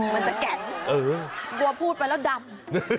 มันจะแก่งกลัวพูดไปแล้วดำ